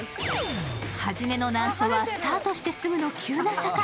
初めの難所はスタートしてすぐの急な坂。